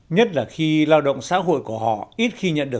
nhất là khi lao động xã hội của họ ít khi nhận được